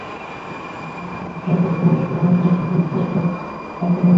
বিদ্রোহীদের হাতে আটক হওয়া এড়াতে অনেক সেনাসদস্যকেই সাদা পোশাক পরতে দেখা গেছে।